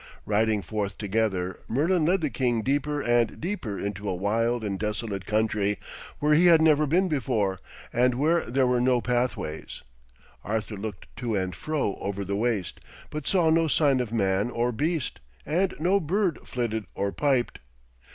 Riding forth together, Merlin led the king deeper and deeper into a wild and desolate country where he had never been before, and where there were no pathways. Arthur looked to and fro over the waste, but saw no sign of man or beast, and no bird flitted or piped.